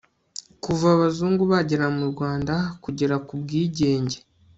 kuva abazungu bagera mu rwanda kugera ku bwigenge